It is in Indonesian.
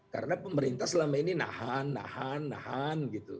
karena pemerintah selama ini nahan nahan nahan